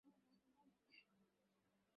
মনে হচ্ছে এ যেন আমার নীরুর কথা নয়, এ যেন আর-কেউ।